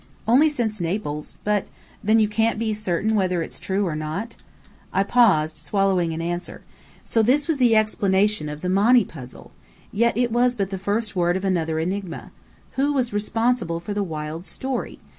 "Only since Naples. But " "Then you can't be certain whether it's true or not?" I paused, swallowing an answer. So this was the explanation of the Monny puzzle! Yet it was but the first word of another enigma. Who was responsible for the wild story?